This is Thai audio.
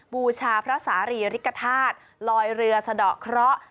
บูชาพระสารีริกฐาตุลอยเรือสะดอกเคราะห์